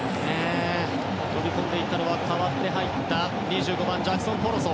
飛び込んでいったのは代わって入った２５番、ジャクソン・ポロソ。